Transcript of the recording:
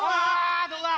どうだ？